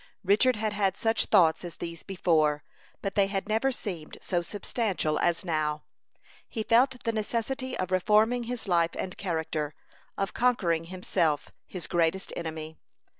Richard had had such thoughts as these before, but they had never seemed so substantial as now. He felt the necessity of reforming his life and character of conquering himself, his greatest enemy.